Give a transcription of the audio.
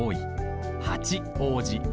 八王子